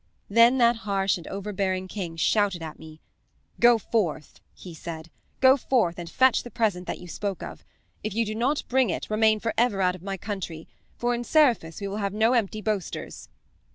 Then that harsh and overbearing king shouted at me. 'Go forth,' he said, 'go forth and fetch the present that you spoke of. If you do not bring it remain forever out of my country, for in Seriphus we will have no empty boasters.'